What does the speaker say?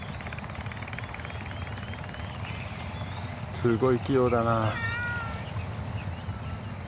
すごい器用だな。